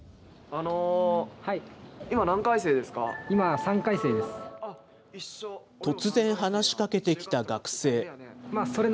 あの、今、今、突然、話しかけてきた学生。